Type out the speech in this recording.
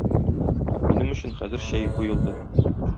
Минем өчен хәзер чәй куелды.